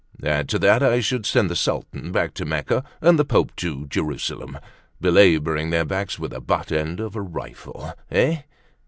Add to that I should send the Sultan back to Mecca and the Pope to Jerusalem, belaboring their backs with the butt end of a rifle. Eh?